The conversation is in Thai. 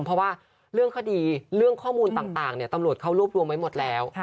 เพราะว่าเรื่องคดีเรื่องข้อมูลต่างตำรวจเขารวบรวมไว้หมดแล้ว